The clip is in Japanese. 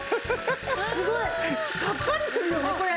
すごい！さっぱりするよねこれ。